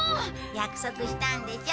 約束したんでしょ？